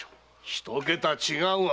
一桁違うわ。